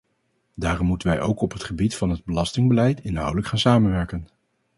Daarom moeten wij ook op het gebied van het belastingbeleid inhoudelijk gaan samenwerken.